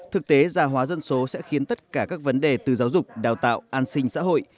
thực tế gia hóa dân số sẽ khiến tất cả các vấn đề từ giáo dục đào tạo an sinh xã hội